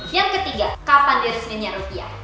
yang ketiga kapan diresminya rupiah